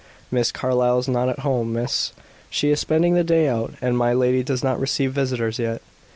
"Miss Carlyle is not at home, miss. She is spending the day out; and my lady does not receive visitors yet."